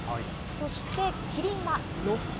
そしてキリンはロック。